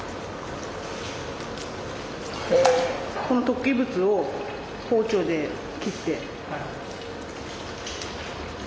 この突起物を包丁で切って。